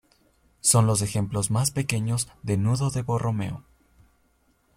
Son los ejemplos más pequeños de nudo de Borromeo.